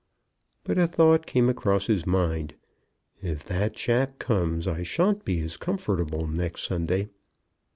But a thought came across his mind, "If that chap comes I shan't be as comfortable next Sunday."